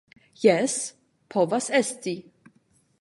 Jes, povas esti.